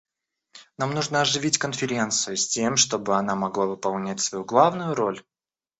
Нам нужно оживить Конференцию, с тем чтобы она могла выполнять свою главную роль.